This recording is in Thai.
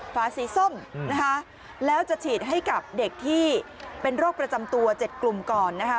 ฝาสีส้มนะคะแล้วจะฉีดให้กับเด็กที่เป็นโรคประจำตัว๗กลุ่มก่อนนะคะ